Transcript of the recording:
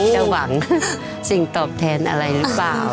หวังสิ่งตอบแทนอะไรหรือเปล่า